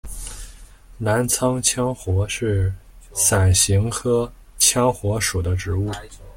澜沧羌活是伞形科羌活属的植物。